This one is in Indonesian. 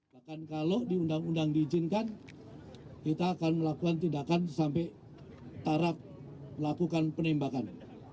bahkan kalau di undang undang diizinkan kita akan melakukan tindakan sampai taraf melakukan penembakan